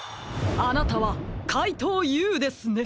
あなたはかいとうＵですね！